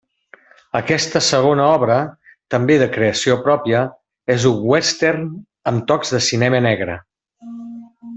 Aquesta segona obra, també de creació pròpia, és un western amb tocs de cinema negre.